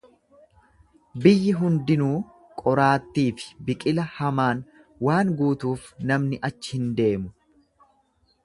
Biyyi hundinuu qoraattii fi biqila hamaan waan guutuuf namni achi hin deemu.